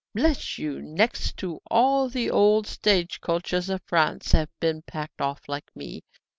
Bless you, next to all the old stage coaches of France have been packed off like me.